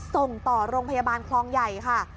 ส่งต่อโรงพยาบาลคลองใหญ่ค่ะ